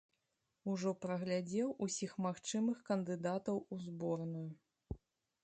Ужо праглядзеў усіх магчымых кандыдатаў у зборную.